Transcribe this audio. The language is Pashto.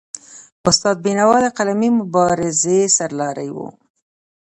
استاد بینوا د قلمي مبارزې سرلاری و.